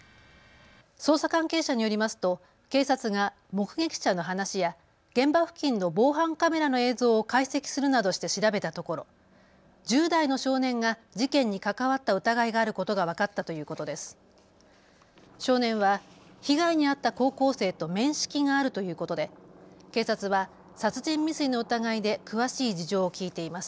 捜査関係者によりますと警察が目撃者の話や現場付近の防犯カメラの映像を解析するなどして調べたところ、１０代の少年が事件に関わった疑いがあることが分かったということです。